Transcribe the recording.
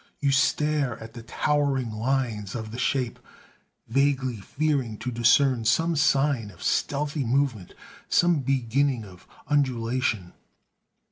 You stare at the towering lines of the shape, vaguely fearing to discern some sign of stealthy movement, some beginning of undulation.